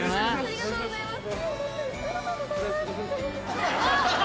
ありがとうございます。